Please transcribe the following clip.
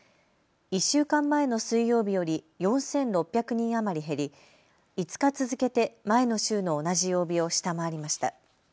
１週間前の水曜日より４６００人余り減り、５日続けて前の週の同じ曜日を下回りました。